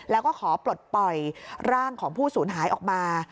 แล้วก็ขอปลดปล่อยร่างของผู้สูญหายออกมา